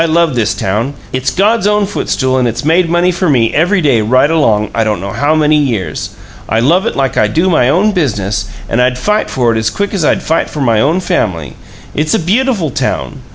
I love this town. It's God's own footstool, and it's made money for me every day right along, I don't know how many years. I love it like I do my own business, and I'd fight for it as quick as I'd fight for my own family. It's a beautiful town.